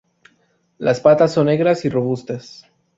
Las patas son negras y robustas.